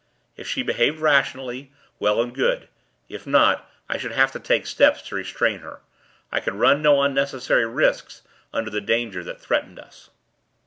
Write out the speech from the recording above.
If she behaved rationally, well and good; if not, I should have to take steps to restrain her. I could run no unnecessary risks, under the danger that threatened us.